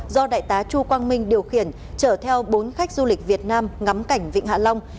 do đại tá chu quang minh điều khiển chở theo bốn khách du lịch việt nam ngắm cảnh vịnh hạ long